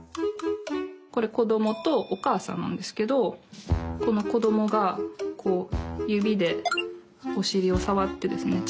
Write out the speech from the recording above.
これ子どもとお母さんなんですけどこの子どもがこう指でおしりを触ってですね